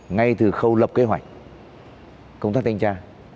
ngay từ khâu lập kế hoạch công tác thanh tra